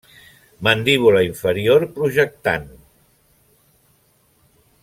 Mandíbula inferior projectant.